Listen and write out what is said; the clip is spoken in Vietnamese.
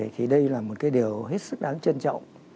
thì đây là một cái điều hết sức đáng trân trọng